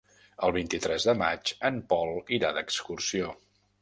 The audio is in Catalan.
El vint-i-tres de maig en Pol irà d'excursió.